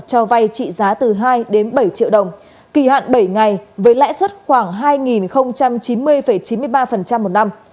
cho vay trị giá từ hai đến bảy triệu đồng kỳ hạn bảy ngày với lãi suất khoảng hai chín mươi chín mươi ba một năm